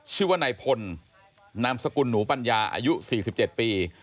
ชื่อว่านายพลนามสกุลหนูปัญญาอายุ๔๗ปี